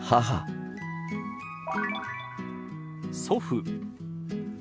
「祖父」。